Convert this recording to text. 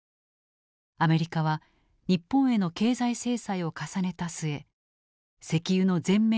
アメリカは日本への経済制裁を重ねた末石油の全面禁輸に踏み切った。